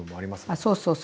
そうそうそう。